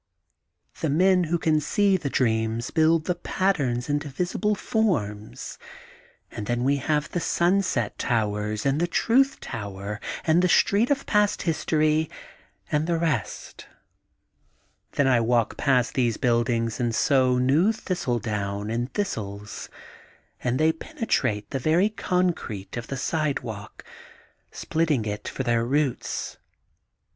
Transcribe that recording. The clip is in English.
^'The men who can see the dreams build the patterns into visible forms, and then we have the Sunset Towers, and the Truth Tower, and the Street of Past History, and the rest. / THE GOLDEN BOOK OF SPRINGFIELD S16 ^^Then I walk plast these buildings and sow new thistle down and thistles, and they penetrate the very concrete of the sidewalk, splitting it for their roots.